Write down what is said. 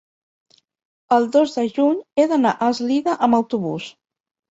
El dos de juny he d'anar a Eslida amb autobús.